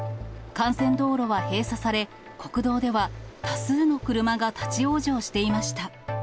幹線道路は閉鎖され、国道では多数の車が立往生していました。